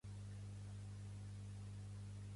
Ni que vingui en Meco